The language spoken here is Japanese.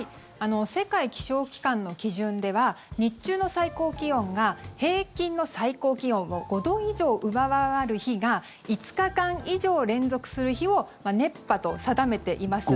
世界気象機関の基準では日中の最高気温が平均の最高気温を５度以上上回る日が５日間以上連続する日を熱波と定めています。